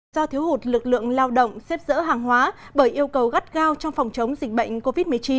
do thiếu hụt lực lượng lao động xếp dỡ hàng hóa bởi yêu cầu gắt gao trong phòng chống dịch bệnh covid một mươi chín